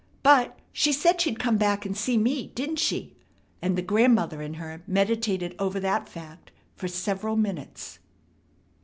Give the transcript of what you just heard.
But she said she'd come back and see me, didn't she?" and the grandmother in her meditated over that fact for several minutes.